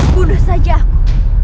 bunuh saja aku